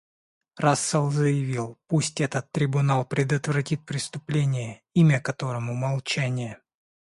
Рассел заявил: «Пусть этот Трибунал предотвратит преступление, имя которому — молчание».